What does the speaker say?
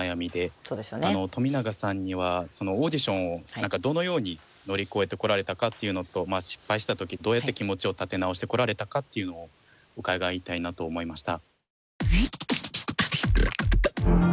冨永さんにはオーディションをどのように乗り越えてこられたかっていうのと失敗した時どうやって気持ちを立て直してこられたかっていうのを伺いたいなと思いました。